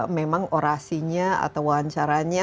memang orasinya atau wawancaranya